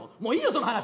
その話！